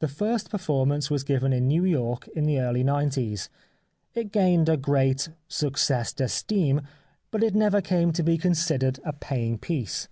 The first performance was given in New York in the early nineties. It gained a great succes d'estime, but it never came to be considered a paying piece.